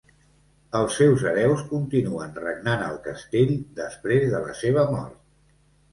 Els seus hereus continuen regnant el castell després de la seva mort.